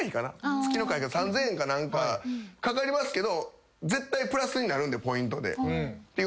月の会費が３，０００円かなんかかかりますけど絶対プラスになるんでポイントでって言われて。